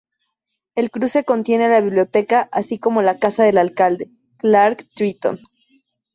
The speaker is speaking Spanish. El cruce contiene la biblioteca así como la casa del alcalde, Clark Triton.